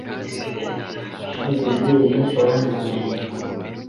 maze muri iyo minsi abami baraneshwa